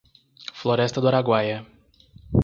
Floresta do Araguaia